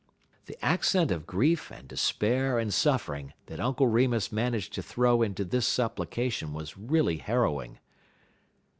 '" The accent of grief and despair and suffering that Uncle Remus managed to throw into this supplication was really harrowing.